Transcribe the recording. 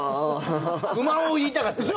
不満を言いたかっただけ。